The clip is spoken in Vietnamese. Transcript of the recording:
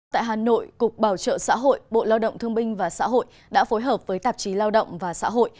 tại hà nội cục bảo trợ xã hội bộ lao động thương binh và xã hội đã phối hợp với tạp chí lao động và xã hội